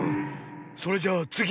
それじゃあつぎ！